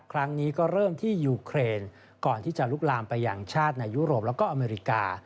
ครั้งนี้ก็เริ่มที่ยูเครนก่อนที่จะลุกลามไปอย่างชาติในยุโรปแล้วก็อเมริกา